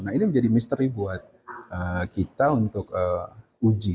nah ini menjadi misteri buat kita untuk uji